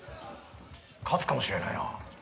勝つかもしれないな」。